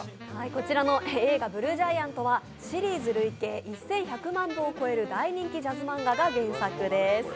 こちらの映画「ＢＬＵＥＧＩＡＮＴ」はシリーズ累計１１００万部を超える大人気ジャズ漫画が原作です。